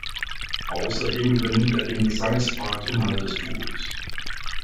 Außerdem übernimmt er den Gesangspart innerhalb des Duos.